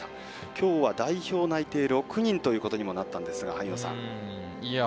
今日は代表内定６人ということになったんですが萩野さん。